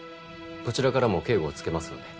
こちらからも警護をつけますので。